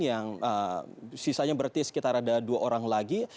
yang sisanya berarti sekitar ada dua orang lagi